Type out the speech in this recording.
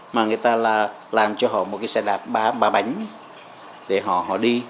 mà người ta là làm cho họ một cái xe đạp ba bánh để họ họ đi